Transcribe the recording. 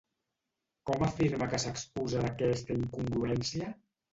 Com afirma que s'excusa d'aquesta incongruència?